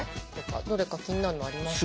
どれか気になるのありますか？